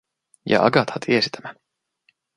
Ja Agatha tiesi tämän.